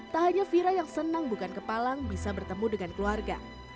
tak hanya vira yang senang bukan kepalang bisa bertemu dengan keluarga